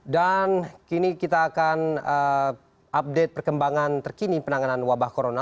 dan kini kita akan update perkembangan terkini penanganan wabah corona